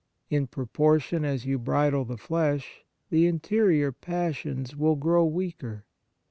In pro portion as you bridle the flesh, the interior passions will grow weaker.